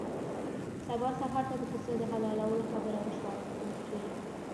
سبا سهار ته د پسه د حلالولو خبره وشوه په کور کې.